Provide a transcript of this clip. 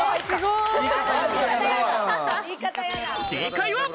正解は。